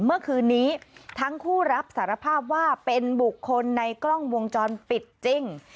เมื่อคืนนี้ทั้งคู่รับสารภาพว่าเป็นบุคคลในกล้องวงจรปิดจริง